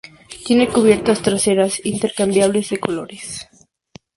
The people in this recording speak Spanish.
Tiene cubiertas traseras intercambiables de colores.